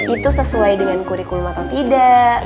itu sesuai dengan kurikulum atau tidak